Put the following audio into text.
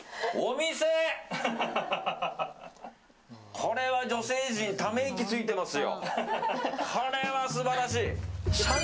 これは女性陣ため息ついてますよ。